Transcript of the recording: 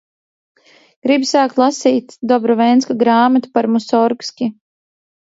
Gribu sākt lasīt Dobrovenska grāmatu par Musorgski.